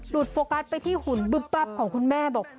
หลุดฟอกัสไปที่หุ่นบึบของคุณแม่บอก